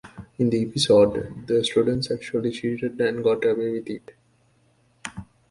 In the episode, the students actually cheated and got away with it.